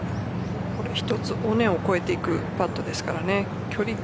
一つ、尾根を越えていくパットですからね。